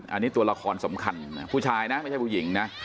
อันนี้ตัวละครสำคัญนะผู้ชายนะไม่ใช่ผู้หญิงนะ